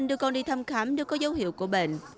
đưa con đi thăm khám nếu có dấu hiệu của bệnh